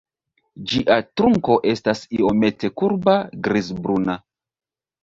Ĝia trunko estas iomete kurba, grizbruna.